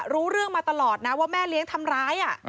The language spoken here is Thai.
รู้เรื่องมาตลอดนะว่าแม่เลี้ยงทำร้าย